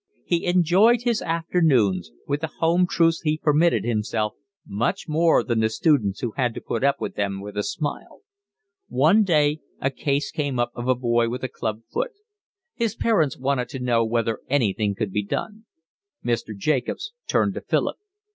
He enjoyed his afternoons, with the home truths he permitted himself, much more than the students who had to put up with them with a smile. One day a case came up of a boy with a club foot. His parents wanted to know whether anything could be done. Mr. Jacobs turned to Philip.